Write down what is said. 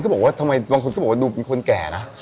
อ๋อบางคนก็บอกว่าดูเป็นคนแก่นะ